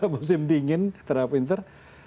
musim dingin terhadap winter